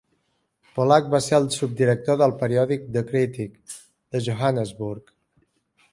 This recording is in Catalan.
Polak va ser el subeditor del periòdic "The Critic" de Johannesburg.